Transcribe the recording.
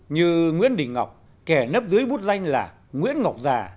như nguyễn đình ngọc kẻ nấp dưới bút danh là nguyễn ngọc già